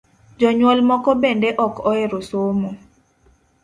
Jonyuol moko bende ok ohero somo